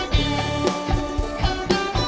kamu juga sama